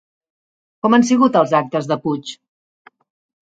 Com han sigut els actes de Puig?